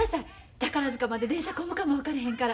宝塚まで電車混むかも分からへんから。